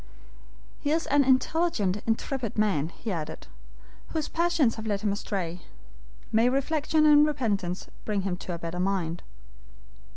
"He is an intelligent, intrepid man," he added, "whose passions have led him astray. May reflection and repentance bring him to a better mind!"